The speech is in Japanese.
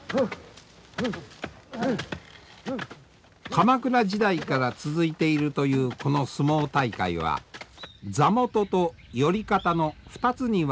鎌倉時代から続いているというこの相撲大会は座元と寄方の２つに分かれて戦います。